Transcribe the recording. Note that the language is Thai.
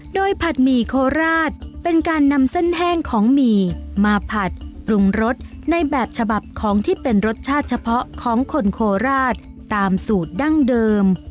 โดยผัดหมี่โคราชเป็นการนำเส้นแห้งของหมี่มาผัดปรุงรสในแบบฉบับของที่เป็นรสชาติเฉพาะของคนโคราชตามสูตรดั้งเดิม